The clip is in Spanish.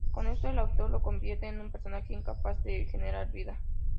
Con esto, el autor lo convierte en un personaje incapaz de generar vida.